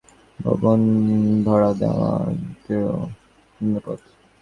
বৈঠকে সবাই পরামর্শ দিয়েছেন, ভবন ভাড়া নেওয়ার ক্ষেত্রে দ্বিতীয় তলা তুলনামূলক নিরাপদ।